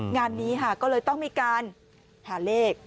งานนี้ค่ะก็เลยต้องมีการหาเลข